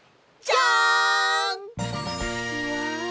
うわ！